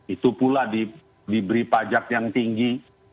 itu pula diberi pajak yang tinggi